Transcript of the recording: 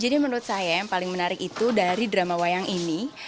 jadi menurut saya yang paling menarik itu dari drama wayang ini